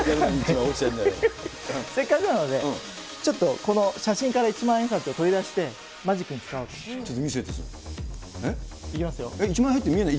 せっかくなので、ちょっとこの写真から一万円札を取り出してマジックに使おうと。